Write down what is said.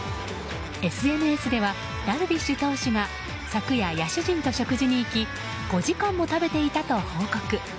ＳＮＳでは、ダルビッシュ投手が昨夜、野手陣と食事に行き５時間も食べていたと報告。